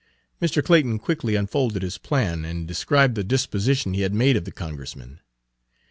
Mr. Clayton quickly unfolded his plan, and described the disposition he had made of the Congressman.